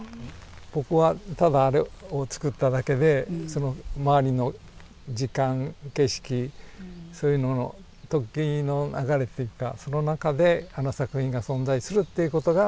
僕はただあれをつくっただけでその周りの時間景色そういうのの時の流れっていうかその中であの作品が存在するっていうことがあのまあ